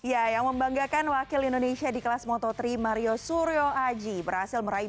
ya yang membanggakan wakil indonesia di kelas moto tiga mario suryo aji berhasil meraih